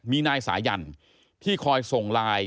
มีนายสายันที่คอยส่งไลน์